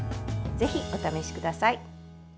ぜひお試しください。